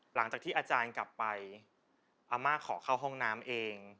หลังจากที่อาจารย์กลับไปอาม่าขอเข้าห้องน้ำเอง